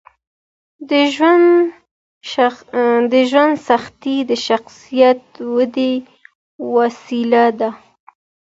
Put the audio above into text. د ژوند سختۍ د شخصیت ودې وسیله ده.